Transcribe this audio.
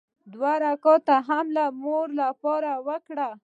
دوه رکعته مې هم د مور لپاره وکړل.